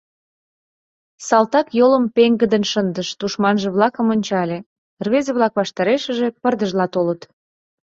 Салтак йолым пеҥгыдын шындыш, тушманже-влакым ончале: рвезе-влак ваштарешыже пырдыжла толыт.